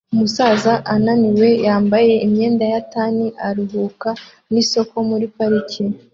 Umusaza unaniwe yambaye imyenda ya tan aruhuka nisoko muri parike